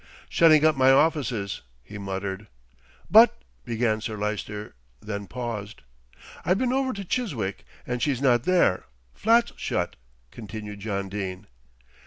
"Shutting up my offices," he muttered. "But " began Sir Lyster, then paused. "I've been over to Chiswick and she's not there; flat's shut," continued John Dene.